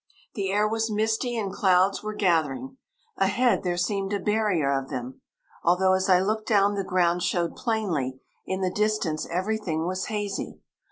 The air was misty and clouds were gathering. Ahead there seemed a barrier of them. Although as I looked down the ground showed plainly, in the distance everything was hazy.